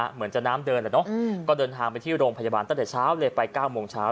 เหมือนจะน้ำเดินแล้วเนอะก็เดินทางไปที่โรงพยาบาลตั้งแต่เช้าเลยไป๙โมงเช้า